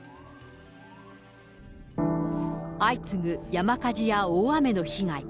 相次ぐ山火事や大雨の被害。